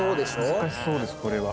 難しそうですこれは。